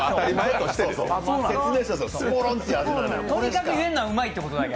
とにかく言えるのはうまいってことだけ。